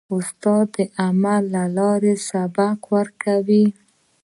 استاد د عمل له لارې سبق ورکوي.